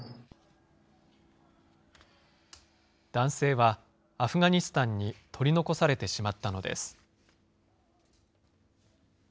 男性は、アフガニスタンに取り残されてしまったのです。